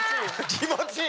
気持ちいい。